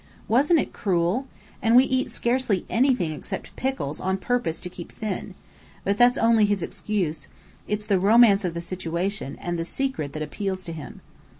Wasn't it cruel? And we eat scarcely anything except pickles on purpose to keep thin. But that's only his excuse. It's the romance of the situation, and the secret that appeals to him."